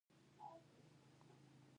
وادي د افغانانو ژوند اغېزمن کوي.